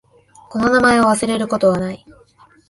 この名前を忘れることはない。